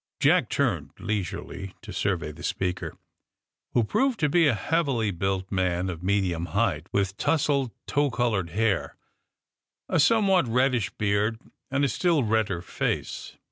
Jack turned leisurely to survey the speaker, who proved to be a heavily built man of medium height, with tousled tow colored hair, a some what reddish beard and a still redder face.